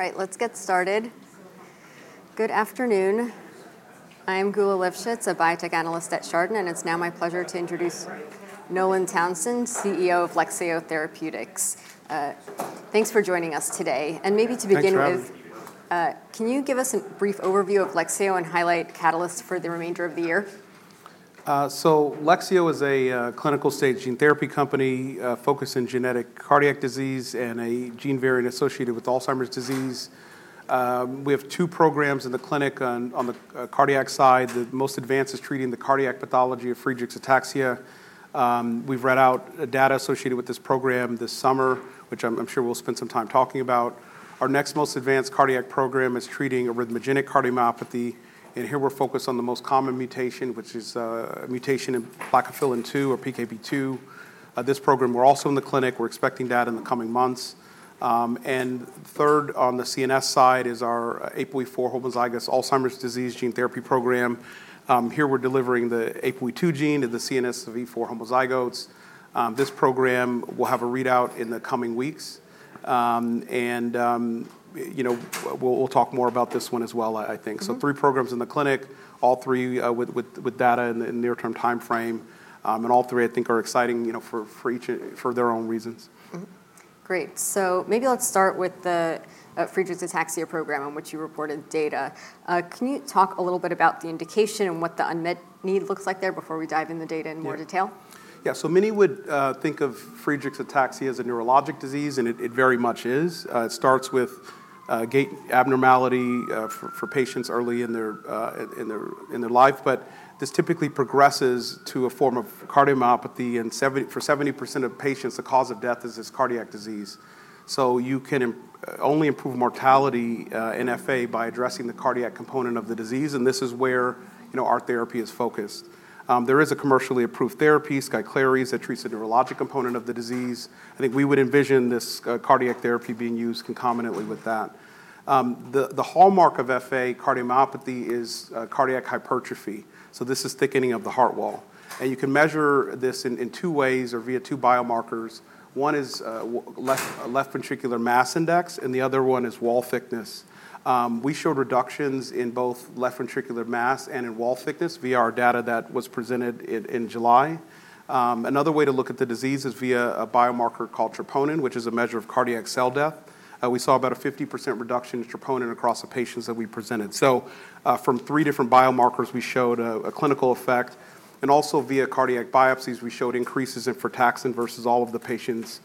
All right, let's get started. Good afternoon. I am Geulah Livshits, a biotech analyst at Chardan, and it's now my pleasure to introduce Nolan Townsend, CEO of Lexeo Therapeutics. Thanks for joining us today. Thanks for having me. Maybe to begin with, can you give us a brief overview of Lexeo and highlight catalysts for the remainder of the year? So Lexeo is a clinical-stage gene therapy company focused in genetic cardiac disease and a gene variant associated with Alzheimer's disease. We have two programs in the clinic on the cardiac side. The most advanced is treating the cardiac pathology of Friedreich's ataxia. We've read out data associated with this program this summer, which I'm sure we'll spend some time talking about. Our next most advanced cardiac program is treating arrhythmogenic cardiomyopathy, and here we're focused on the most common mutation, which is a mutation in Plakophilin 2, or PKP2. This program, we're also in the clinic. We're expecting data in the coming months. And third, on the CNS side, is our APOE4 homozygous Alzheimer's disease gene therapy program. Here we're delivering the APOE2 gene to the CNS of E4 homozygotes. This program will have a readout in the coming weeks, and you know, we'll talk more about this one as well, I think. Mm-hmm. So three programs in the clinic, all three with data in the near-term timeframe, and all three, I think, are exciting, you know, for each for their own reasons. Mm-hmm. Great. So maybe let's start with the Friedreich's ataxia program on which you reported data. Can you talk a little bit about the indication and what the unmet need looks like there before we dive in the data in more detail? Yeah. Yeah, so many would think of Friedreich's ataxia as a neurologic disease, and it very much is. It starts with gait abnormality for patients early in their life, but this typically progresses to a form of cardiomyopathy, and 70% of patients, the cause of death is this cardiac disease. So you can only improve mortality in FA by addressing the cardiac component of the disease, and this is where, you know, our therapy is focused. There is a commercially approved therapy, Skyclarys, that treats the neurologic component of the disease. I think we would envision this cardiac therapy being used concomitantly with that. The hallmark of FA cardiomyopathy is cardiac hypertrophy, so this is thickening of the heart wall. You can measure this in two ways, or via two biomarkers. One is left ventricular mass index, and the other one is wall thickness. We showed reductions in both left ventricular mass and in wall thickness via our data that was presented in July. Another way to look at the disease is via a biomarker called troponin, which is a measure of cardiac cell death. We saw about a 50% reduction in troponin across the patients that we presented. From three different biomarkers, we showed a clinical effect, and also via cardiac biopsies, we showed increases in frataxin versus all of the patients'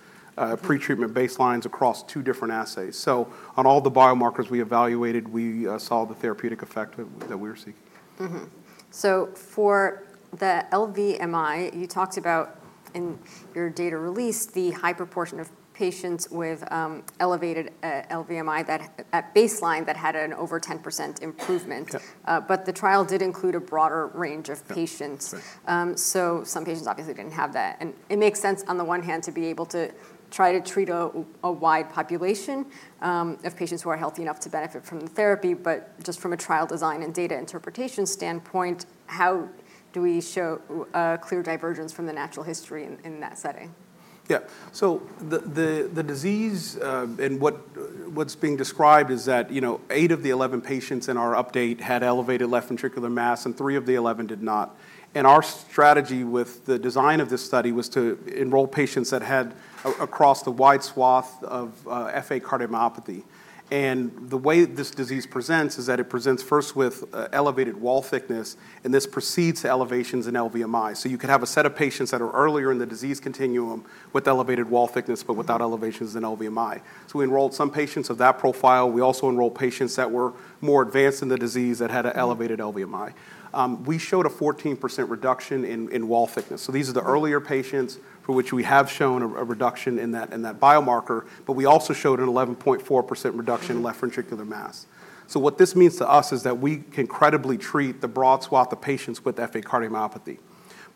pre-treatment baselines across two different assays. On all the biomarkers we evaluated, we saw the therapeutic effect that we were seeking. Mm-hmm. So for the LVMI, you talked about, in your data release, the high proportion of patients with elevated LVMI that at baseline had an over 10% improvement. Yeah. But the trial did include a broader range of patients. Yeah. Right. So some patients obviously didn't have that, and it makes sense on the one hand to be able to try to treat a wide population of patients who are healthy enough to benefit from the therapy. But just from a trial design and data interpretation standpoint, how do we show a clear divergence from the natural history in that setting? Yeah. So the disease, and what's being described is that, you know, eight of the 11 patients in our update had elevated left ventricular mass, and three of the 11 did not. And our strategy with the design of this study was to enroll patients that had across the wide swath of FA cardiomyopathy. And the way this disease presents is that it presents first with elevated wall thickness, and this precedes elevations in LVMI. So you could have a set of patients that are earlier in the disease continuum with elevated wall thickness, but without elevations in LVMI. So we enrolled some patients of that profile. We also enrolled patients that were more advanced in the disease, that had an elevated LVMI. We showed a 14% reduction in wall thickness. So these are the earlier patients for which we have shown a reduction in that biomarker, but we also showed an 11.4% reduction in left ventricular mass. So what this means to us is that we can credibly treat the broad swath of patients with FA cardiomyopathy.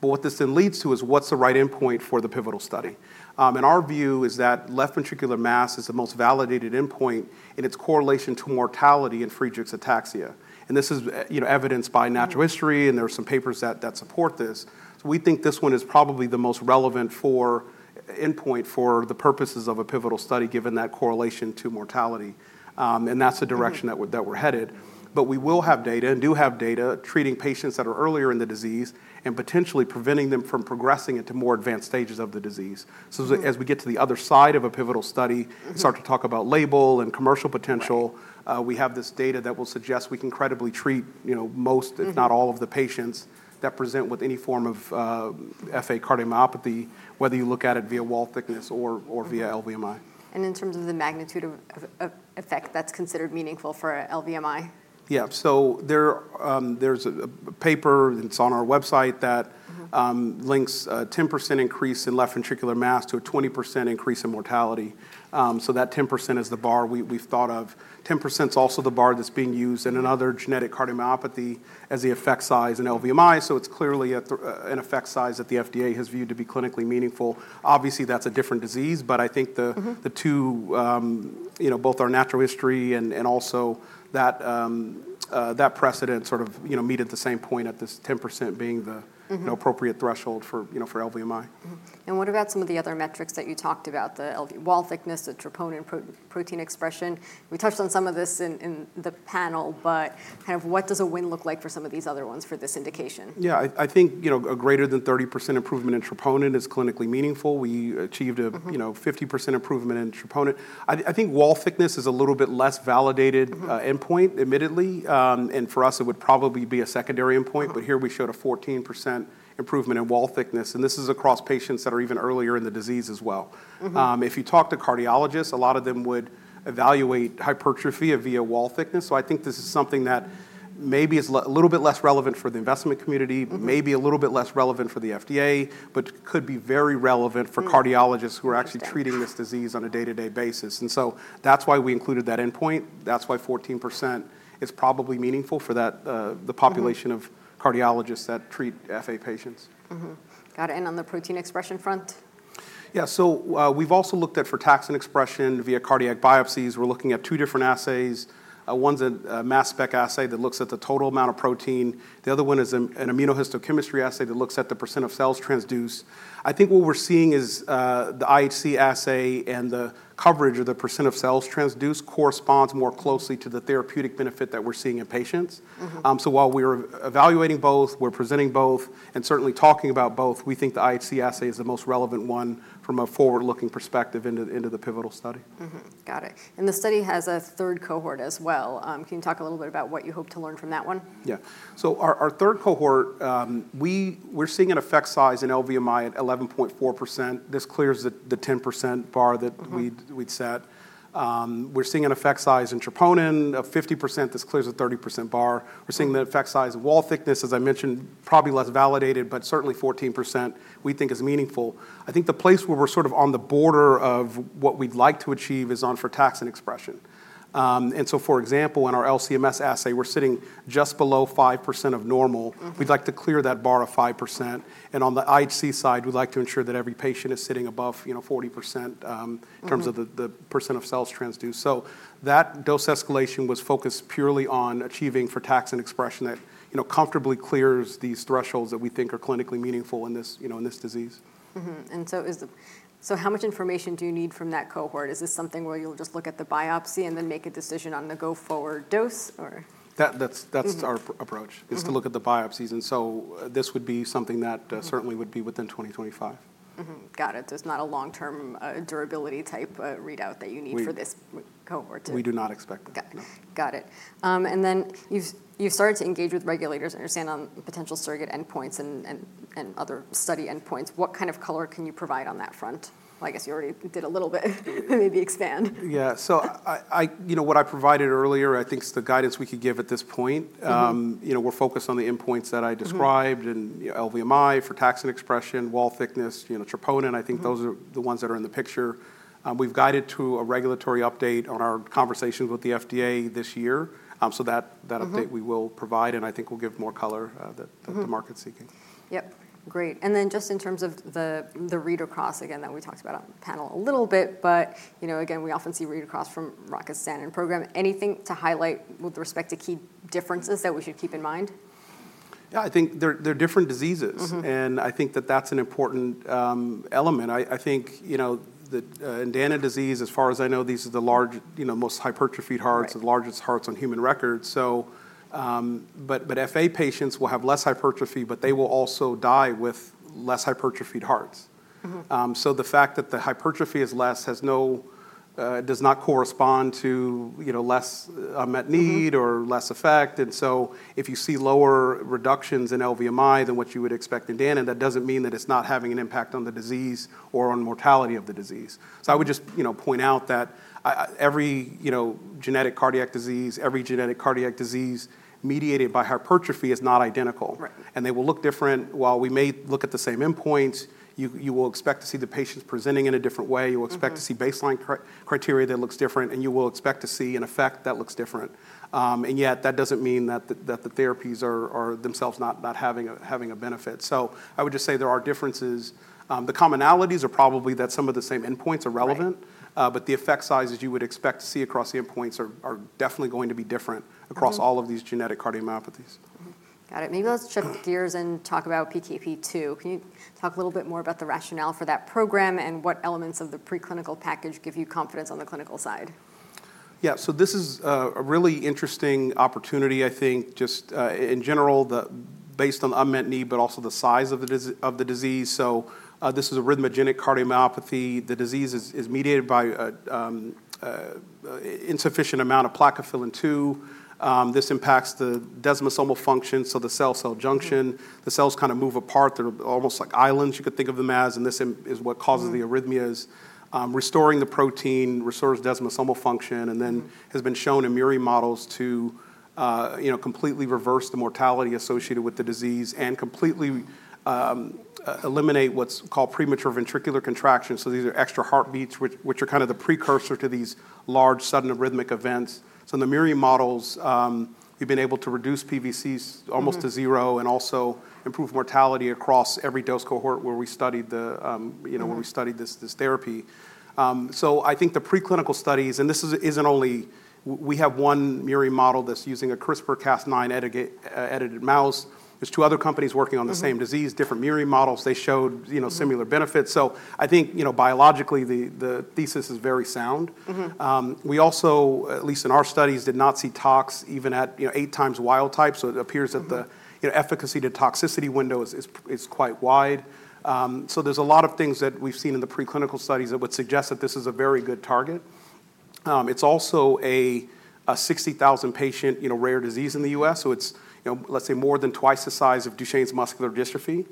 But what this then leads to is, what's the right endpoint for the pivotal study? And our view is that left ventricular mass is the most validated endpoint in its correlation to mortality in Friedreich's ataxia, and this is, you know, evidenced by natural history- Mm-hmm... and there are some papers that support this. So we think this one is probably the most relevant for endpoint for the purposes of a pivotal study, given that correlation to mortality, and that's the direction- Mm-hmm... that we're headed. But we will have data, and do have data, treating patients that are earlier in the disease and potentially preventing them from progressing into more advanced stages of the disease. Mm-hmm. So as we get to the other side of a pivotal study- Mm-hmm... start to talk about label and commercial potential- Right... we have this data that will suggest we can credibly treat, you know, most- Mm-hmm... if not all of the patients that present with any form of FA cardiomyopathy, whether you look at it via wall thickness or via LVMI. Mm-hmm. And in terms of the magnitude of effect, that's considered meaningful for LVMI? Yeah, so there, there's a paper, it's on our website, that- Mm-hmm... links a 10% increase in left ventricular mass to a 20% increase in mortality. So that 10% is the bar we've thought of. 10%'s also the bar that's being used in another genetic cardiomyopathy as the effect size in LVMI, so it's clearly an effect size that the FDA has viewed to be clinically meaningful. Obviously, that's a different disease, but I think the- Mm-hmm... the two, you know, both our natural history and also that precedent sort of, you know, meet at the same point, at this 10% being the- Mm-hmm... you know, appropriate threshold for, you know, for LVMI. Mm-hmm. And what about some of the other metrics that you talked about, the LV wall thickness, the troponin protein expression? We touched on some of this in the panel, but kind of what does a win look like for some of these other ones for this indication? Yeah, I think, you know, a greater than 30% improvement in troponin is clinically meaningful. We achieved a- Mm-hmm... you know, 50% improvement in troponin. I, I think wall thickness is a little bit less validated. Mm-hmm... endpoint, admittedly, and for us, it would probably be a secondary endpoint. Mm-hmm. But here we showed a 14% improvement in wall thickness, and this is across patients that are even earlier in the disease as well. Mm-hmm. If you talk to cardiologists, a lot of them would evaluate hypertrophy via wall thickness. So I think this is something that maybe is a little bit less relevant for the investment community. Mm-hmm... maybe a little bit less relevant for the FDA, but could be very relevant for cardiologists- Mm, interesting... who are actually treating this disease on a day-to-day basis. And so that's why we included that endpoint. That's why 14% is probably meaningful for that, the population- Mm-hmm... of cardiologists that treat FA patients. Mm-hmm. Got it. And on the protein expression front?... Yeah, so, we've also looked at Frataxin expression via cardiac biopsies. We're looking at two different assays. One's a mass spec assay that looks at the total amount of protein. The other one is an immunohistochemistry assay that looks at the percent of cells transduced. I think what we're seeing is, the IHC assay and the coverage of the percent of cells transduced corresponds more closely to the therapeutic benefit that we're seeing in patients. Mm-hmm. So while we're evaluating both, we're presenting both, and certainly talking about both, we think the IHC assay is the most relevant one from a forward-looking perspective into the pivotal study. Mm-hmm. Got it. And the study has a third cohort as well. Can you talk a little bit about what you hope to learn from that one? Yeah. So our third cohort, we're seeing an effect size in LVMI at 11.4%. This clears the 10% bar that- Mm-hmm... we'd set. We're seeing an effect size in troponin of 50%. This clears the 30% bar. We're seeing an effect size in wall thickness, as I mentioned, probably less validated, but certainly 14% we think is meaningful. I think the place where we're sort of on the border of what we'd like to achieve is on frataxin expression. And so for example, in our LC-MS assay, we're sitting just below 5% of normal. Mm-hmm. We'd like to clear that bar of 5%, and on the IHC side, we'd like to ensure that every patient is sitting above, you know, 40%. Mm-hmm... in terms of the % of cells transduced. So that dose escalation was focused purely on achieving frataxin expression that, you know, comfortably clears these thresholds that we think are clinically meaningful in this, you know, in this disease. How much information do you need from that cohort? Is this something where you'll just look at the biopsy and then make a decision on the go-forward dose, or? That's- Mm-hmm... our approach- Mm-hmm... is to look at the biopsies, and so this would be something that- Mm-hmm... certainly would be within 2025. Mm-hmm. Got it. So it's not a long-term, durability type, readout that you need- We-... for this cohort to- We do not expect that, no. Got it. And then you've started to engage with regulators, I understand, on potential surrogate endpoints and other study endpoints. What kind of color can you provide on that front? I guess you already did a little bit. Maybe expand. Yeah, so you know, what I provided earlier, I think, is the guidance we could give at this point. Mm-hmm. You know, we're focused on the endpoints that I described. Mm-hmm... and LVMI frataxin expression, wall thickness, you know, troponin- Mm-hmm... I think those are the ones that are in the picture. We've guided to a regulatory update on our conversations with the FDA this year. So that update- Mm-hmm... we will provide, and I think we'll give more color, that- Mm-hmm... the market's seeking. Yep. Great, and then just in terms of the read-across, again, that we talked about on the panel a little bit, but, you know, again, we often see read-across from Rocket Pharmaceuticals program. Anything to highlight with respect to key differences that we should keep in mind? Yeah, I think they're different diseases. Mm-hmm. I think that that's an important element. I think, you know, the Danon disease, as far as I know, these are the large, you know, most hypertrophied hearts- Right... the largest hearts on human record. So, but FA patients will have less hypertrophy, but they will also die with less hypertrophied hearts. Mm-hmm. The fact that the hypertrophy is less does not correspond to, you know, less at need- Mm-hmm... or less effect. And so if you see lower reductions in LVMI than what you would expect in Danon, that doesn't mean that it's not having an impact on the disease or on mortality of the disease. So I would just, you know, point out that every, you know, genetic cardiac disease, every genetic cardiac disease mediated by hypertrophy is not identical. Right. They will look different. While we may look at the same endpoint, you will expect to see the patients presenting in a different way. Mm-hmm. You will expect to see baseline criteria that looks different, and you will expect to see an effect that looks different, and yet that doesn't mean that the therapies are themselves not having a benefit. So I would just say there are differences. The commonalities are probably that some of the same endpoints are relevant. Right. but the effect sizes you would expect to see across the endpoints are definitely going to be different- Mm-hmm... across all of these genetic cardiomyopathies. Mm-hmm. Got it. Maybe let's shift gears and talk about PKP2. Can you talk a little bit more about the rationale for that program and what elements of the preclinical package give you confidence on the clinical side? Yeah, so this is a really interesting opportunity, I think, just in general based on unmet need, but also the size of the disease. So this is arrhythmogenic cardiomyopathy. The disease is mediated by insufficient amount of plakophilin 2. This impacts the desmosomal function, so the cell-cell junction. Mm-hmm. The cells kind of move apart. They're almost like islands you could think of them as, and this is what causes- Mm... the arrhythmias. Restoring the protein restores desmosomal function, and then has been shown in murine models to, you know, completely reverse the mortality associated with the disease and completely eliminate what's called premature ventricular contraction. So these are extra heartbeats, which are kind of the precursor to these large, sudden arrhythmic events. So in the murine models, we've been able to reduce PVCs almost to zero- Mm-hmm... and also improve mortality across every dose cohort where we studied the, you know- Mm-hmm... where we studied this, this therapy. So I think the preclinical studies, and this isn't only. We have one murine model that's using a CRISPR-Cas9 edited mouse. There's two other companies working on the same disease- Mm-hmm... different murine models. They showed, you know, similar benefits. So I think, you know, biologically, the thesis is very sound. Mm-hmm. We also, at least in our studies, did not see tox even at, you know, eight times wild type. So it appears that the- Mm-hmm... you know, efficacy to toxicity window is quite wide. So there's a lot of things that we've seen in the preclinical studies that would suggest that this is a very good target.... It's also a 60,000-patient, you know, rare disease in the US, so it's, you know, let's say, more than twice the size of Duchenne's muscular dystrophy.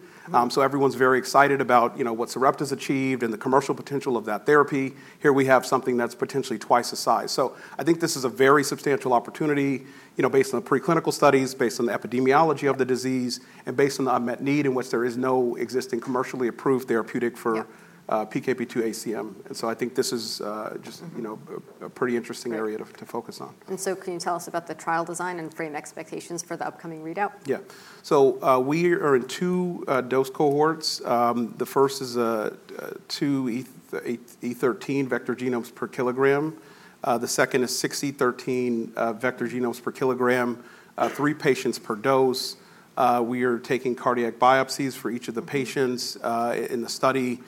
So everyone's very excited about, you know, what Sarepta's achieved and the commercial potential of that therapy. Here we have something that's potentially twice the size. So I think this is a very substantial opportunity, you know, based on the preclinical studies, based on the epidemiology of the disease, and based on the unmet need in which there is no existing commercially approved therapeutic for- Yeah. PKP2 ACM. And so I think this is just- Mm-hmm. You know, a pretty interesting area to focus on. And so, can you tell us about the trial design and frame expectations for the upcoming readout? Yeah. So, we are in two dose cohorts. The first is two E thirteen vector genomes per kilogram. The second is six E thirteen vector genomes per kilogram, three patients per dose. We are taking cardiac biopsies for each of the patients in the study.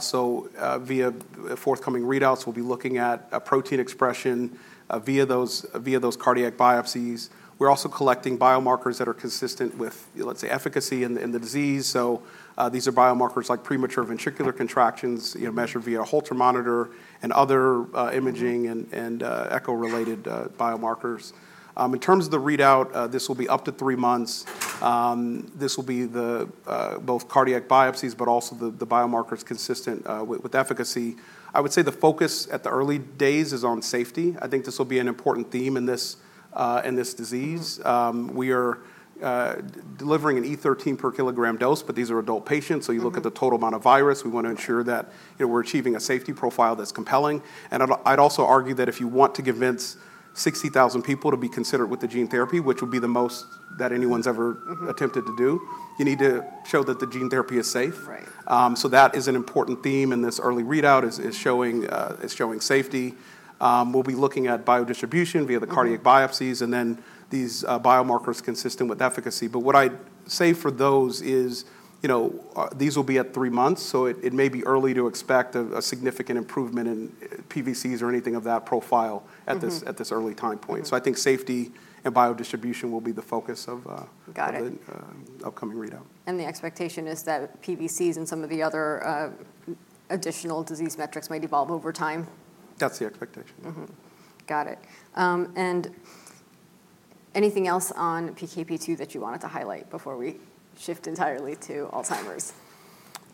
So, via forthcoming readouts, we'll be looking at protein expression via those cardiac biopsies. We're also collecting biomarkers that are consistent with, let's say, efficacy in the disease. So, these are biomarkers like premature ventricular contractions, you know, measured via Holter monitor and other imaging- Mm-hmm. Echo-related biomarkers. In terms of the readout, this will be up to three months. This will be both cardiac biopsies, but also the biomarkers consistent with efficacy. I would say the focus at the early days is on safety. I think this will be an important theme in this disease. We are delivering an E13 per kilogram dose, but these are adult patients. Mm-hmm. So you look at the total amount of virus. We want to ensure that, you know, we're achieving a safety profile that's compelling. And I'd also argue that if you want to convince 60,000 people to be considered with the gene therapy, which will be the most that anyone's ever- Mm-hmm... attempted to do, you need to show that the gene therapy is safe. Right. So that is an important theme in this early readout, showing safety. We'll be looking at biodistribution via the cardiac biopsies- Mm-hmm... and then these biomarkers consistent with efficacy. But what I'd say for those is, you know, these will be at three months, so it may be early to expect a significant improvement in PVCs or anything of that profile- Mm-hmm... at this early time point. Mm-hmm. So I think safety and biodistribution will be the focus of. Got it... of the upcoming readout. And the expectation is that PVCs and some of the other, additional disease metrics might evolve over time? That's the expectation. Mm-hmm. Got it. And anything else on PKP2 that you wanted to highlight before we shift entirely to Alzheimer's?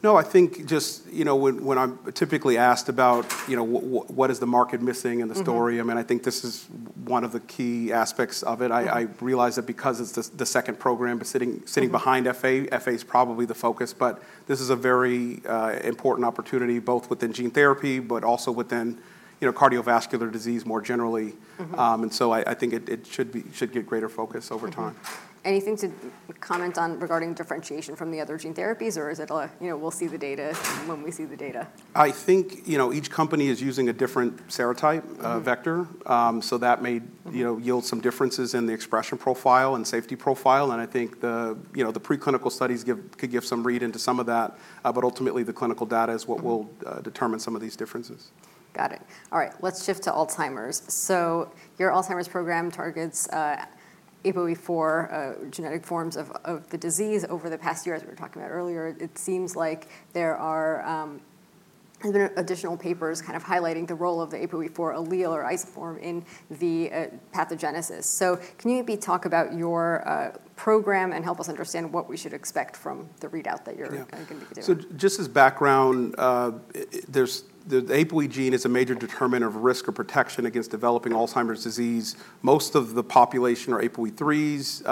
No, I think just, you know, when I'm typically asked about, you know, what is the market missing in the story- Mm-hmm... I mean, I think this is one of the key aspects of it. Mm-hmm. I realize that because it's the second program, but sitting behind FA- Mm-hmm... FA is probably the focus, but this is a very important opportunity, both within gene therapy, but also within, you know, cardiovascular disease more generally. Mm-hmm. And so I think it should get greater focus over time. Mm-hmm. Anything to comment on regarding differentiation from the other gene therapies, or is it a, "We'll see the data when we see the data? I think, you know, each company is using a different serotype, vector. Mm-hmm. So that may- Mm-hmm... you know, yield some differences in the expression profile and safety profile, and I think the, you know, the preclinical studies give, could give some read into some of that, but ultimately, the clinical data is what will- Mm-hmm... determine some of these differences. Got it. All right, let's shift to Alzheimer's. So your Alzheimer's program targets APOE4 genetic forms of the disease. Over the past year, as we were talking about earlier, it seems like there are additional papers kind of highlighting the role of the APOE4 allele or isoform in the pathogenesis. So can you maybe talk about your program and help us understand what we should expect from the readout that you're- Yeah... gonna be doing? So just as background, there's the APOE gene is a major determinant of risk or protection against developing Alzheimer's disease. Most of the population are APOE3s.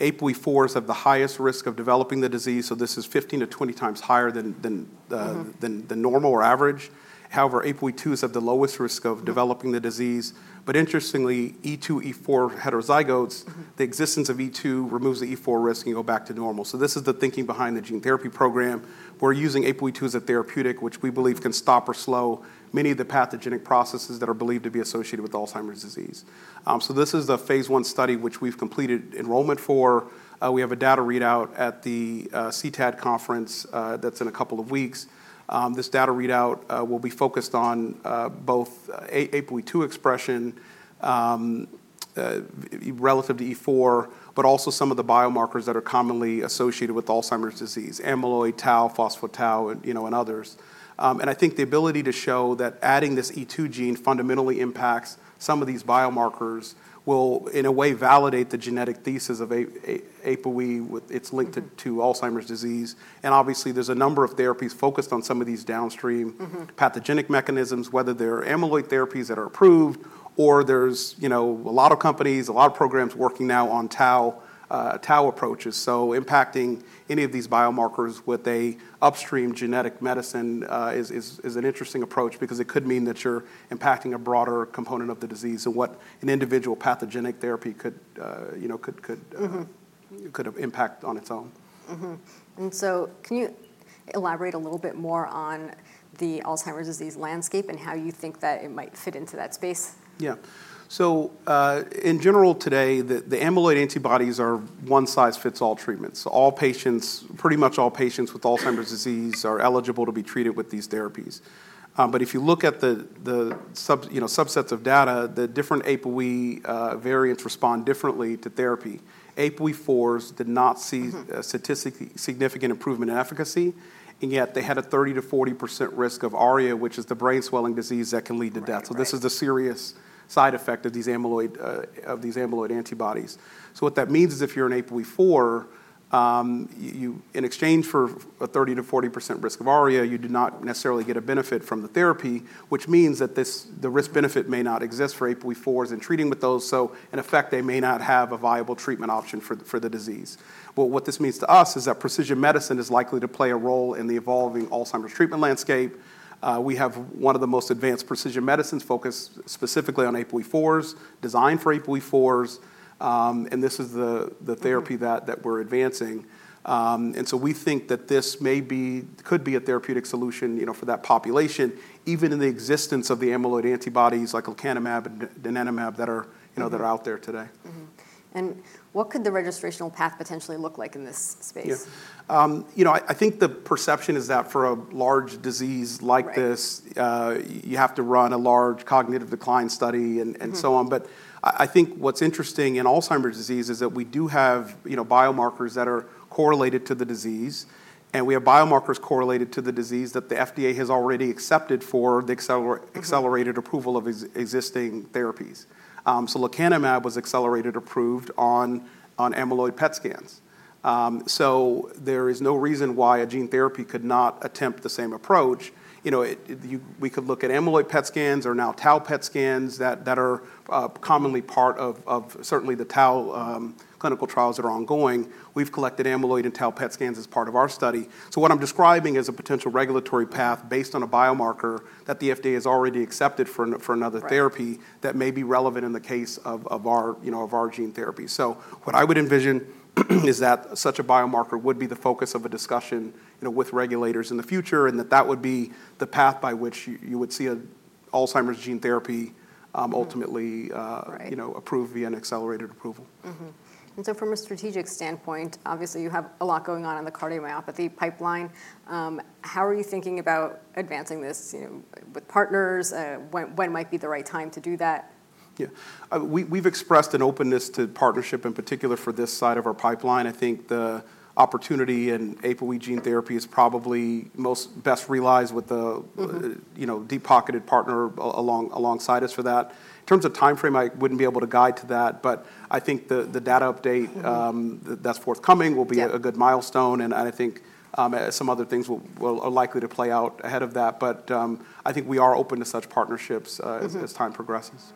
APOE4s have the highest risk of developing the disease, so this is 15-20 times higher than. Mm-hmm... than the normal or average. However, APOE2 is at the lowest risk of developing the disease. But interestingly, E2, E4 heterozygotes- Mm-hmm... the existence of E2 removes the E4 risk, and you go back to normal. So this is the thinking behind the gene therapy program. We're using APOE2 as a therapeutic, which we believe can stop or slow many of the pathogenic processes that are believed to be associated with Alzheimer's disease. So this is the phase I study, which we've completed enrollment for. We have a data readout at the CTAD conference, that's in a couple of weeks. This data readout will be focused on both APOE2 expression relative to E4, but also some of the biomarkers that are commonly associated with Alzheimer's disease, amyloid, tau, phospho-tau, and, you know, and others. I think the ability to show that adding this E2 gene fundamentally impacts some of these biomarkers will, in a way, validate the genetic thesis of APOE with its link to Alzheimer's disease. And obviously, there's a number of therapies focused on some of these downstream- Mm-hmm... pathogenic mechanisms, whether they're amyloid therapies that are approved, or there's, you know, a lot of companies, a lot of programs working now on tau approaches. So impacting any of these biomarkers with an upstream genetic medicine is an interesting approach because it could mean that you're impacting a broader component of the disease than what an individual pathogenic therapy could, you know, could. Mm-hmm... could impact on its own. Mm-hmm. And so can you elaborate a little bit more on the Alzheimer's disease landscape and how you think that it might fit into that space? Yeah. So, in general today, the amyloid antibodies are one size fits all treatments. All patients, pretty much all patients with Alzheimer's disease are eligible to be treated with these therapies. But if you look at the subsets of data, you know, the different APOE variants respond differently to therapy. APOE4s did not see- Mm-hmm... a statistically significant improvement in efficacy, and yet they had a 30%-40% risk of ARIA, which is the brain swelling disease that can lead to death. Right, right. So this is a serious side effect of these amyloid antibodies. So what that means is if you're an APOE4, you, in exchange for a 30%-40% risk of ARIA, you do not necessarily get a benefit from the therapy, which means that this, the risk benefit may not exist for APOE4s in treating with those. So in effect, they may not have a viable treatment option for the, for the disease. But what this means to us is that precision medicine is likely to play a role in the evolving Alzheimer's treatment landscape. We have one of the most advanced precision medicines focused specifically on APOE4s, designed for APOE4s, and this is the therapy- Mm-hmm... that we're advancing, and so we think that this may be, could be a therapeutic solution, you know, for that population, even in the existence of the amyloid antibodies like Lecanemab and Donanemab that are, you know- Mm-hmm... that are out there today. Mm-hmm. And what could the registrational path potentially look like in this space? Yeah. You know, I think the perception is that for a large disease like this- Right... you have to run a large cognitive decline study and- Mm-hmm... so on. But I, I think what's interesting in Alzheimer's disease is that we do have, you know, biomarkers that are correlated to the disease, and we have biomarkers correlated to the disease that the FDA has already accepted for the acceler- Mm-hmm... accelerated approval of existing therapies. So lecanemab was accelerated approved on amyloid PET scans. So there is no reason why a gene therapy could not attempt the same approach. You know, we could look at amyloid PET scans or now tau PET scans that are commonly part of certainly the tau clinical trials that are ongoing. We've collected amyloid and tau PET scans as part of our study. So what I'm describing is a potential regulatory path based on a biomarker that the FDA has already accepted for another therapy. Right... that may be relevant in the case of our, you know, our gene therapy. So what I would envision is that such a biomarker would be the focus of a discussion, you know, with regulators in the future, and that that would be the path by which you would see an Alzheimer's gene therapy ultimately- Mm-hmm, right... you know, approved via an accelerated approval. Mm-hmm. And so from a strategic standpoint, obviously, you have a lot going on in the cardiomyopathy pipeline. How are you thinking about advancing this, you know, with partners? When might be the right time to do that? Yeah. We've expressed an openness to partnership, in particular for this side of our pipeline. I think the opportunity in APOE gene therapy is probably most best realized with the- Mm-hmm... you know, deep-pocketed partner alongside us for that. In terms of timeframe, I wouldn't be able to guide to that, but I think the data update, Mm-hmm... that's forthcoming will be- Yeah... a good milestone, and I think some other things are likely to play out ahead of that, but I think we are open to such partnerships. Mm-hmm... as time progresses.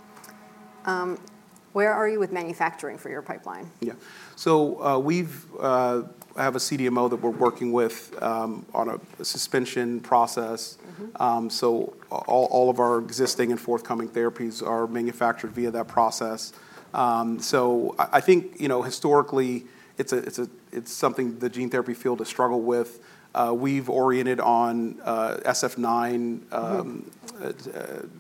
Where are you with manufacturing for your pipeline? Yeah. So, we have a CDMO that we're working with on a suspension process. Mm-hmm. So all of our existing and forthcoming therapies are manufactured via that process. So I think, you know, historically, it's something the gene therapy field has struggled with. We've oriented on Sf9. Mm-hmm...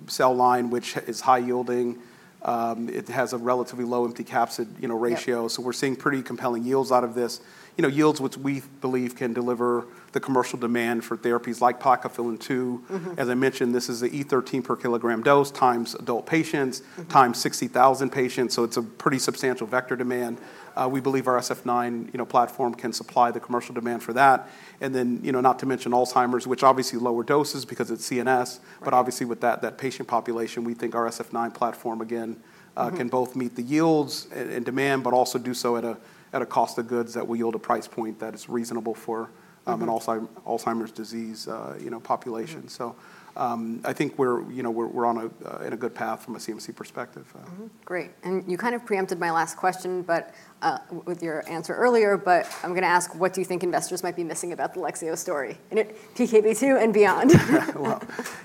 cell line, which is high yielding. It has a relatively low empty capsid, you know, ratio. Yeah. We're seeing pretty compelling yields out of this. You know, yields, which we believe can deliver the commercial demand for therapies like Plakophilin-2. Mm-hmm. As I mentioned, this is an e13 per kilogram dose, times adult patients- Mm... times 60,000 patients, so it's a pretty substantial vector demand. We believe our Sf9, you know, platform can supply the commercial demand for that. And then, you know, not to mention Alzheimer's, which obviously lower doses because it's CNS- Right... but obviously with that, that patient population, we think our Sf9 platform again, Mm-hmm... can both meet the yields and demand, but also do so at a cost of goods that will yield a price point that is reasonable for- Mm-hmm... an Alzheimer's disease, you know, population. Mm-hmm. I think we're, you know, on a good path from a CMC perspective. Mm-hmm. Great. And you kind of preempted my last question, but with your answer earlier, but I'm gonna ask, what do you think investors might be missing about the Lexeo story? And it, PKP2 and beyond.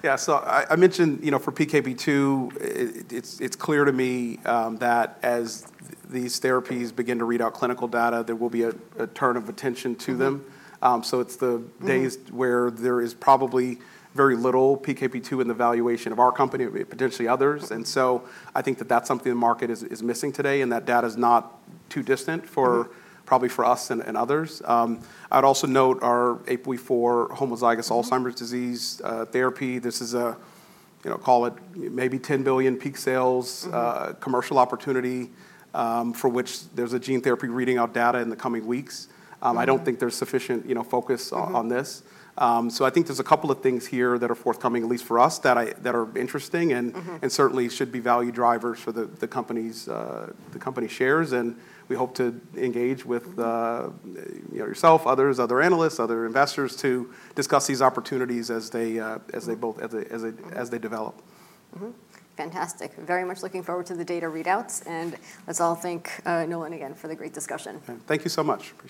Yeah, so I mentioned, you know, for PKP2, it's clear to me that as these therapies begin to read out clinical data, there will be a turn of attention to them. Mm-hmm. So it's the days- Mm... where there is probably very little PKP2 in the valuation of our company, potentially others. And so I think that that's something the market is missing today, and that data is not too distant for- Mm-hmm... probably for us and others. I'd also note our APOE4 homozygous Alzheimer's- Mm-hmm... disease, therapy. This is a, you know, call it maybe $10 billion peak sales- Mm-hmm... commercial opportunity, for which there's a gene therapy reading out data in the coming weeks. Mm-hmm. I don't think there's sufficient, you know, focus on this. Mm-hmm. I think there's a couple of things here that are forthcoming, at least for us, that are interesting, and- Mm-hmm... and certainly should be value drivers for the company's shares. And we hope to engage with you know, yourself, others, other analysts, other investors, to discuss these opportunities as they both- Mm-hmm... as they, as they develop. Mm-hmm. Fantastic. Very much looking forward to the data readouts, and let's all thank Nolan again for the great discussion. Thank you so much. Appreciate it.